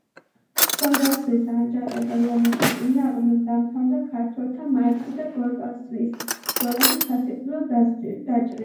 საწნახელში აღმოჩნდა საფერავის ჯიშის ყურძნის წიპწები.